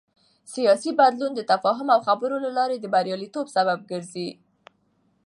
سیاسي بدلون د تفاهم او خبرو له لارې د بریالیتوب سبب ګرځي